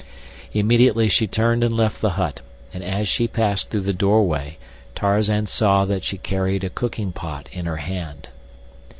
Immediately she turned and left the hut, and as she passed through the doorway Tarzan saw that she carried a cooking pot in her hand.